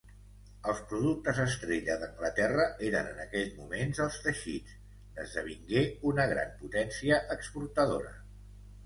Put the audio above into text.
Els productes estrella d'Anglaterra eren en aquells moments els teixits, n'esdevingué una gran potència exportadora.